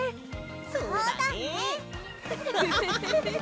そうだね！